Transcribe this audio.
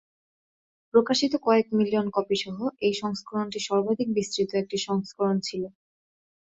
প্রকাশিত কয়েক million copy সহ এই সংস্করণটি সর্বাধিক বিস্তৃত একটি সংস্করণ ছিল।